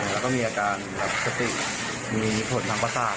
แล้วก็มีอาการแบบสติมีผลทางประสาท